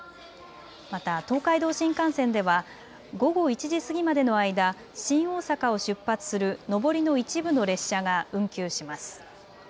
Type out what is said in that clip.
また東海道新幹線では午後１時過ぎまでの間、新大阪を出発する上りの一部の列車が運休します。